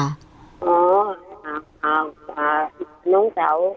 น้องเจ้า